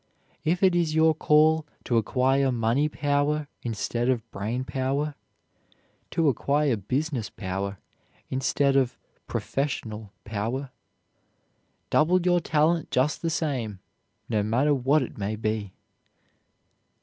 If it is your call to acquire money power instead of brain power, to acquire business power instead of professional power, double your talent just the same, no matter what it may be.